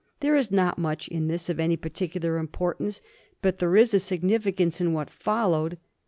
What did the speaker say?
There is not much in this of any particular importance; but there is significance in what followed.